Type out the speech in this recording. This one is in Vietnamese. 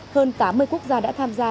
hơn tám mươi quốc gia đã tham gia